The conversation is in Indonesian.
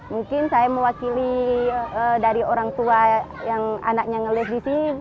mungkin saya mewakili dari orang tua yang anaknya ngelihat di sini